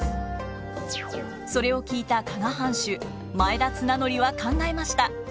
それを聞いた加賀藩主前田綱紀は考えました。